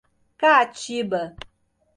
Caatiba